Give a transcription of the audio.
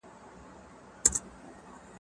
زه به اوږده موده مکتب ته تللي وم.